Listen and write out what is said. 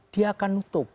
dia akan nutup